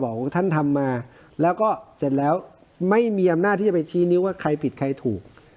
ท่านทำมาแล้วก็เสร็จแล้วไม่มีอำนาจที่จะไปชี้นิ้วว่าใครผิดใครถูก